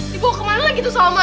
di bawah kemana lagi tuh salma